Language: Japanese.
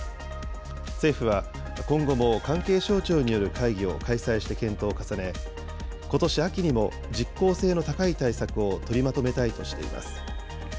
政府は、今後も関係省庁による会議を開催して検討を重ね、ことし秋にも実効性の高い対策を取りまとめたいとしています。